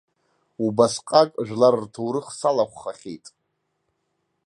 Убасҟак жәлар рҭоурых салахәхахьеит.